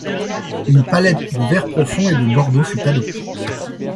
Une palette de verts profonds et de bordeaux fut adoptée.